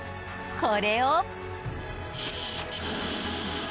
これを。